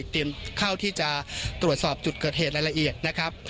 เข้าที่จะตรวจสอบจุดเกิดเหตุรายละเอียดนะครับ